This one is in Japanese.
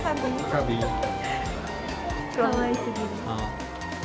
かわいすぎる。